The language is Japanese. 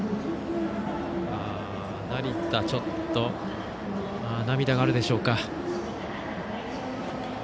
成田、ちょっと涙があるでしょうか。